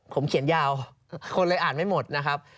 ผมเขียนยาวคนเลยอ่านไม่หมดนะครับ